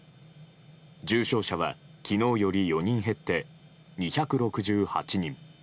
重症者は昨日より４人減って２６８人。